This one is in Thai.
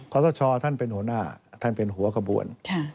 สชท่านเป็นหัวหน้าท่านเป็นหัวขบวน